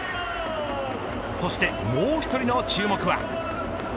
そして、もう１人の注目は。